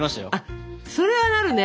それはなるね。